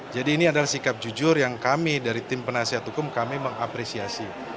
jadi ini adalah sikap jujur yang kami dari tim penasihat hukum kami mengapresiasi